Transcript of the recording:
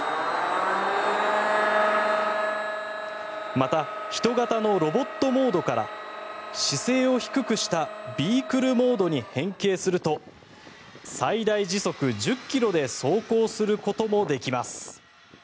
また、人型のロボットモードから姿勢を低くしたビークルモードに変形すると最大時速１０ｋｍで走行することもできます。